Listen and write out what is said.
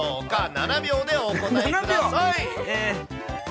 ７秒でお答えください。